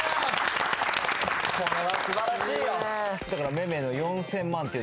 これは素晴らしいよ